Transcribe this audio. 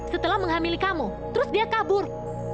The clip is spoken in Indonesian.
setelah menghamili kamu terus dia kabur